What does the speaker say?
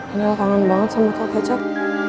enel rangan banget sama botol kecap